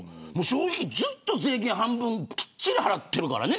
正直、税金半分きっちり払ってるからね。